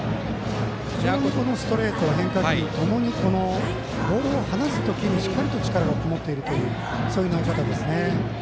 非常にストレート、変化球ともにボールを離す時しっかり力がこもっているそういう投げ方ですね。